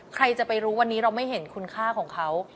ใครจะไปรู้วันนี้เราไม่เห็นคุณค่าของเขา